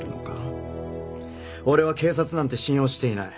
俺は警察なんて信用していない。